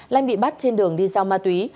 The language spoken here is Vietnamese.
lanh bị bắt trên đường đi giao ma túy